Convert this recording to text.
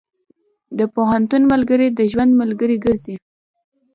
د پوهنتون ملګري د ژوند ملګري ګرځي.